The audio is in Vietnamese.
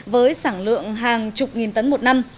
với sản lượng hàng chục nghìn tấn một năm